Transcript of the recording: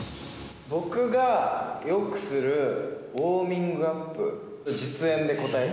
僕がよくするウォーミングアップを実演で答えて。